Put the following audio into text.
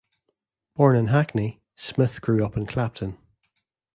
Born in Hackney, Smith grew up in Clapton.